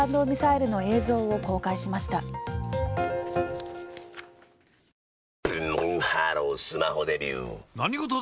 ブンブンハロースマホデビュー！